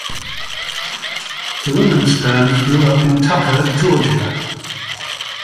The Lowensteins grew up in Tucker, Georgia.